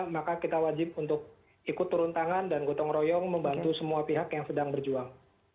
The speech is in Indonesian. maka kita wajib untuk ikut turun tangan dan gotong royong membantu semua pihak yang sedang berjuang